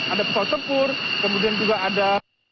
ada pesawat tempur kemudian juga ada